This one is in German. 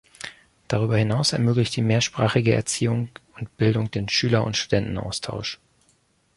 Darüber hinaus ermöglicht die mehrsprachige Erziehung und Bildung den Schüler- und Studentenaustausch.